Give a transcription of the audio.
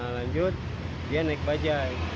lanjut dia naik bajai